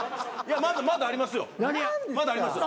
まだありますよ。